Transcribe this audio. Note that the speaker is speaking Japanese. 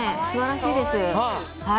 素晴らしいです。